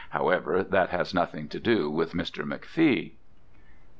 However, that has nothing to do with Mr. McFee.